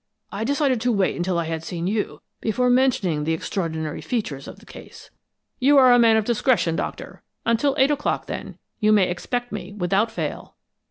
I decided to wait until I had seen you before mentioning the extraordinary features of the case." "You are a man of discretion, Doctor! Until eight o'clock, then. You may expect me, without fail."